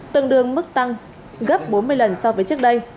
tương đương mức tăng gấp bốn mươi lần so với trước đây